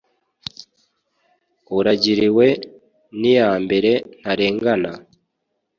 uragiriwe n' "iyambere" ntarengana.